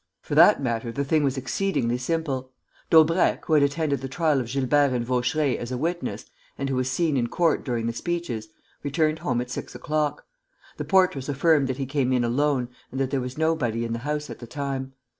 For that matter, the thing was exceedingly simple. Daubrecq, who had attended the trial of Gilbert and Vaucheray as a witness and who was seen in court during the speeches, returned home at six o'clock. The portress affirmed that he came in alone and that there was nobody in the house at the time.